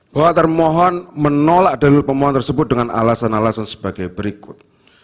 bahwa termohon menolak delik pemohon tersebut dengan alasan alasan sebagai berikut